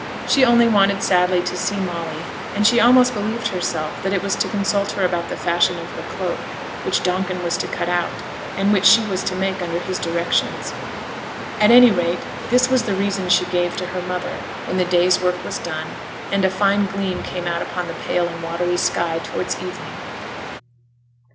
She only wanted sadly to see Molly, and she almost believed herself that it was to consult her about the fashion of her cloak; which Donkin was to cut out, and which she was to make under his directions; at any rate, this was the reason she gave to her mother when the day's work was done, and a fine gleam came out upon the pale and watery sky towards evening.